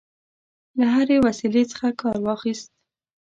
له هري وسیلې څخه کارواخیست.